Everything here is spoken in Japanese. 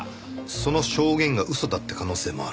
その証言が嘘だって可能性もあると。